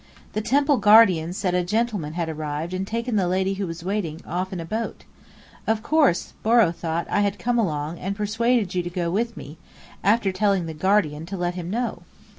"The temple guardian said a gentleman had arrived and taken the lady who was waiting, off in a boat. Of course Borrow thought I had come along, and persuaded you to go with me, after telling the guardian to let him know.